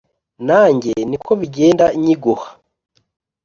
nanjye niko bigenda nyiguha